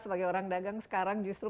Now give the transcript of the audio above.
sebagai orang dagang sekarang justru